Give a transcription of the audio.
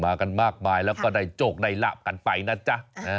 อ๋อมากันมากมายและก็ได้จบไล่ลาวกันไปนะจ๊ะ